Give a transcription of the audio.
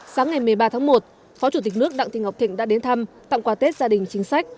sáng ngày một mươi ba tháng một phó chủ tịch nước đặng thị ngọc thịnh đã đến thăm tặng quà tết gia đình chính sách